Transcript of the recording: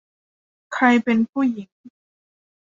ใครเป็นผู้หญิง ?